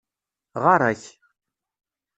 Ɣarak